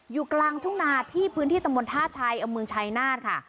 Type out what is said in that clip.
อยู่กลางทุ่งนาที่พื้นที่ตำบลท่าชัยอำเภอเมืองชายนาฏค่ะ